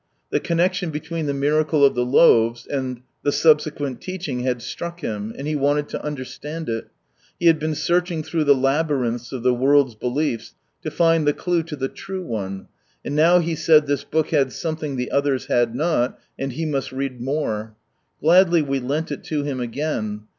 The connection between the miracle of the loaves and the subsequent teaching had struck him, and he wanted to understand it. He had been searching through the labyrinths of the world's beliefs to find the clue to the true one, and now he said this Book had something the others had not, and he must read more. Gladly we lent it to him again.